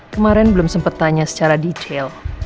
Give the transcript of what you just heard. kemarin belum sempat tanya secara detail